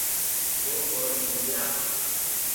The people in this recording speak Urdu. وہ فورا مل گیا۔